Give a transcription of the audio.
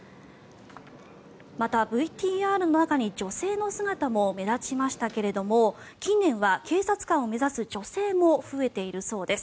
また、ＶＴＲの中に女性の姿も目立ちましたが近年は警察官を目指す女性も増えているそうです。